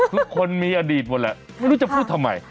ทุกคนมีอดีตหมดแหละไม่รู้จะพูดทำไม